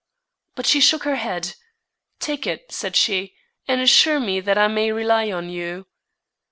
But she shook her head. "Take it," said she, "and assure me that I may rely on you."